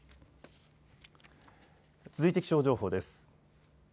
続いて気象情報です。